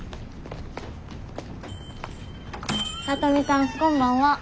聡美さんこんばんは。